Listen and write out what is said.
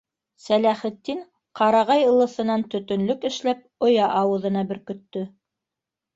Сәләхетдин ҡарағай ылыҫынан төтөнлөк эшләп оя ауыҙына бөркөттө.